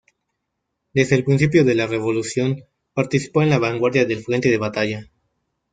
Desde el principio de la revolución, participó en la vanguardia del frente de batalla.